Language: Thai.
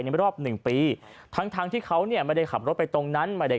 นึงรอบหนึ่งปีทั้งที่เขาเนี่ยไม่ได้ขับรถไปตรงนั้น